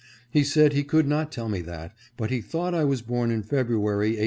He said he could not tell me that, but he thought I was born in February, 1818.